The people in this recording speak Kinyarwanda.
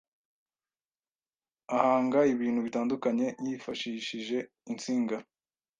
ahanga ibintu bitandukanye yifashishije insinga,